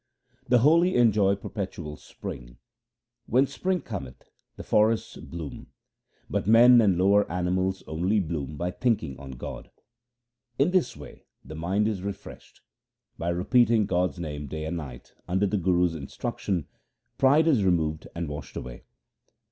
The holy enjoy perpetual spring :— When spring cometh, the forests bloom ; But men and lower animals only bloom by thinking on God: In this way the mind is refreshed. By repeating God's name day and night under the Guru's instruction pride is removed and washed away.